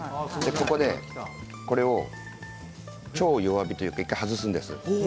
ここで超弱火というか１回、外すんですね。